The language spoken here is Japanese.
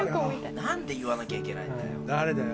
何で教えなきゃいけないんだよ。